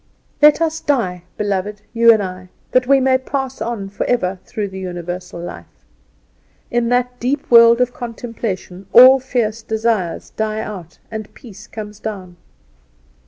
"Let us die, beloved, you and I, that we may pass on forever through the Universal Life! In that deep world of contemplation all fierce desires die out, and peace comes down."